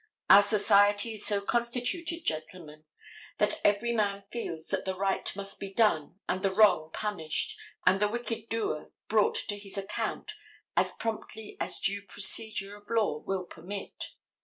Our society is so constituted, gentlemen, that every man feels that the right must be done and the wrong punished and the wicked doer brought to his account as promptly as due procedure of law will permit.